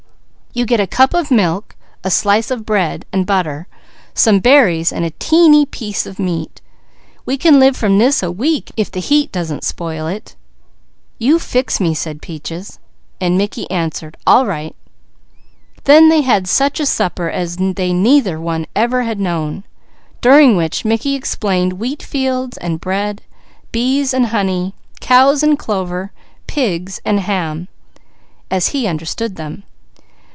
You get a cup of milk, a slice of bread and butter, some berries and a teeny piece of meat. We can live from this a week, if the heat doesn't spoil it." "You fix me," said Peaches. Then they had such a supper as they neither one ever had known, during which Mickey explained wheat fields and bread, bees and honey, cows and clover, pigs and ham, as he understood them.